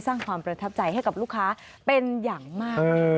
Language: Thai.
สร้างความประทับใจให้กับลูกค้าเป็นอย่างมาก